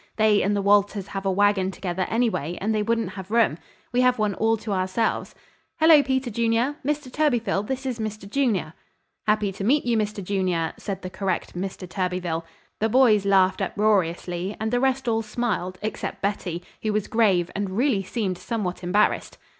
They and the Walters have a wagon together, anyway, and they wouldn't have room. We have one all to ourselves. Hello, Peter Junior! Mr. Thurbyfil, this is Mr. Junior." "Happy to meet you, Mr. Junior," said the correct Mr. Thurbyfil. The boys laughed uproariously, and the rest all smiled, except Betty, who was grave and really seemed somewhat embarrassed.